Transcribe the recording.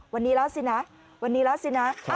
วันนี้แล้วสินะวันนี้แล้วสินะ